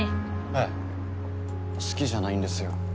ええ好きじゃないんですよ